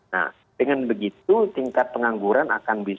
nah dengan begitu tingkat pengangguran akan lebih tinggi